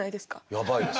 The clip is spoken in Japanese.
やばいです。